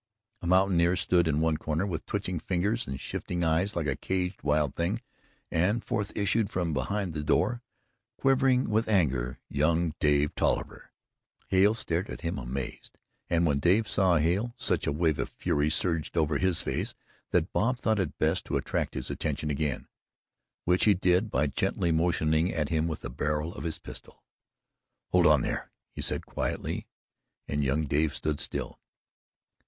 A mountaineer stood in one corner with twitching fingers and shifting eyes like a caged wild thing and forth issued from behind the door, quivering with anger young Dave Tolliver. Hale stared at him amazed, and when Dave saw Hale, such a wave of fury surged over his face that Bob thought it best to attract his attention again; which he did by gently motioning at him with the barrel of his pistol. "Hold on, there," he said quietly, and young Dave stood still.